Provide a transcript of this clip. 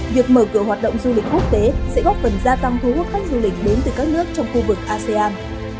việc mở cửa hoạt động du lịch quốc tế sẽ góp phần gia tăng thu hút khách du lịch đến từ các nước trong khu vực asean